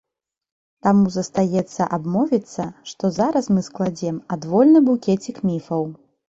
Таму застаецца абмовіцца, што зараз мы складзем адвольны букецік міфаў.